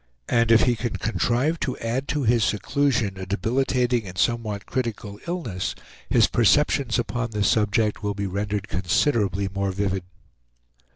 And if he can contrive to add to his seclusion a debilitating and somewhat critical illness, his perceptions upon this subject will be rendered considerably more vivid.